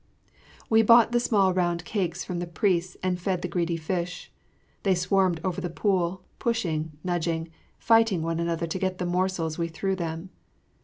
We bought the small round cakes from the priests and fed the greedy fish. They swarmed over the pool, pushing, nudging, fighting one another to get the morsels we threw them.